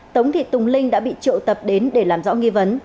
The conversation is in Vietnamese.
tống thị tùng linh đã bị triệu tập đến để làm rõ nghi vấn